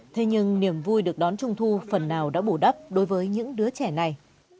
thế nhưng niềm vui được đón trung thu phần nào đã bù đắp đối với những đứa trẻ này